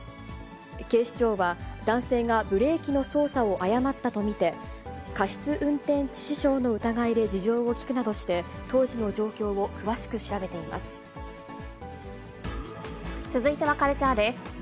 警視庁は、男性がブレーキの操作を誤ったと見て、過失運転致死傷の疑いで事情を聴くなどして、続いてはカルチャーです。